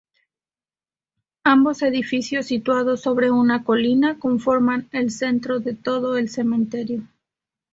Ambos edificios, situados sobre una colina, conforman el centro de todo el cementerio.